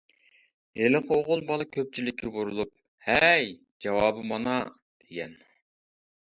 ھېلىقى ئوغۇل بالا كۆپچىلىككە بۇرۇلۇپ «ھەي، جاۋابى مانا! » دېگەن.